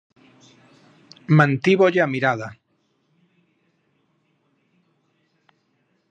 Mantívolle a mirada.